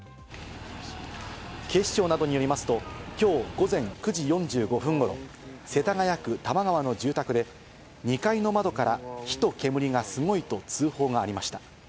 警視庁などによりますと、きょう午前９時４５分頃、世田谷区玉川の住宅で、２階の窓から火と煙がすごいと通報がありました。